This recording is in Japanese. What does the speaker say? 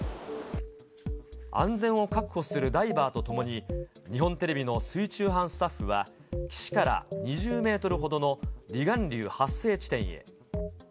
安全を確保するダイバーとともに、日本テレビの水中班スタッフは、岸から２０メートルほどの離岸流発生地点へ。